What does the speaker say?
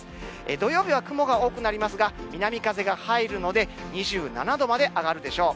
土曜日は雲が多くなりますが、南風が入るので２７度まで上がるでしょう。